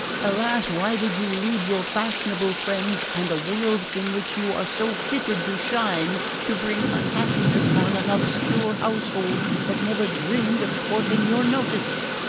Alas, why did you leave your fashionable friends and a world in which you are so fitted to shine, to bring unhappiness on an obscure household that never dreamed of courting your notice?"